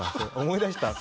思い出した。